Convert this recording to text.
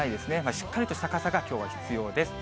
しっかりとした傘がきょうは必要です。